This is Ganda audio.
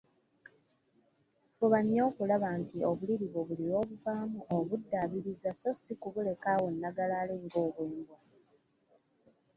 Fuba nnyo okulaba nti obuliri bwo buli lw‘obuvaamu obuddaabiriza, so si kubuleka awo nnagalaale ng‘obwembwa.